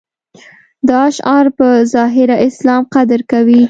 دا شعار په ظاهره اسلام قدر کوي.